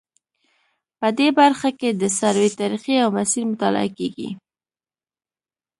په دې برخه کې د سروې طریقې او مسیر مطالعه کیږي